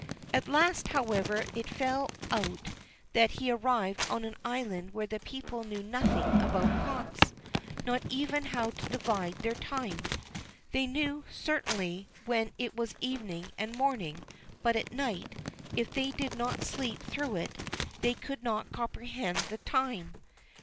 At last, however, it fell out that he arrived on an island where the people knew nothing about cocks, nor even how to divide their time. They knew, certainly, when it was evening and morning, but at night, if they did not sleep through it, they could not comprehend the time.